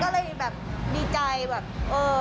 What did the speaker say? ก็เลยแบบดีใจ